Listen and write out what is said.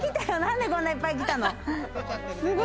なんでこんないっぱい来たの？